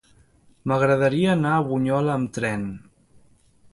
M'agradaria anar a Bunyola amb tren.